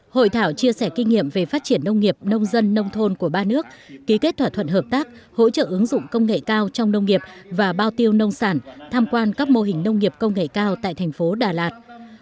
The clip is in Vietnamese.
hội thảo chia sẻ kinh nghiệm về phát triển nông nghiệp nông dân nông thôn của ba nước ký kết thỏa thuận hợp tác hỗ trợ ứng dụng công nghệ cao trong nông nghiệp và bao tiêu nông sản tham quan các mô hình nông nghiệp công nghệ cao tại thành phố đà lạt